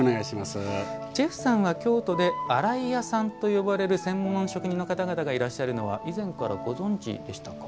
ジェフさんは京都で洗い屋さんと呼ばれる専門の職人の方々がいらっしゃるのは以前からご存じでしたか。